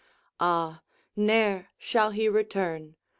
Ah, ne'er shall he return!